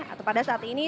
atau pada saat ini